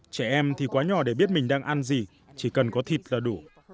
trẻ em thì quá nhỏ để biết mình đang ăn gì chỉ cần có thịt là đủ